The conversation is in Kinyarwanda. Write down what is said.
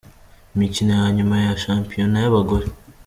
Imikino ya nyuma ya Shampiona y’abagore.